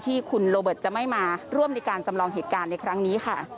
ที่คุณโรเบิร์ตจะไม่มาร่วมในการจำลองเหตุการณ์ในครั้งนี้ค่ะ